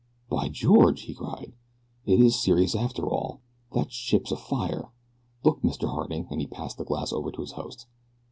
"By George!" he cried. "It is serious after all. That ship's afire. Look, Mr. Harding," and he passed the glass over to his host.